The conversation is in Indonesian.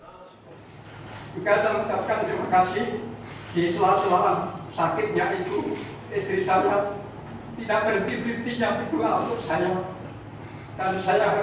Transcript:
saya juga mengucapkan terima kasih di selala selala sakitnya itu istrinya tidak berdipripti yang berdua untuk saya